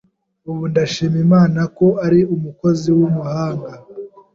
ubu ndashima Imana ko ari umukozi w’umuhanga